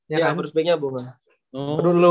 ya first picknya bonga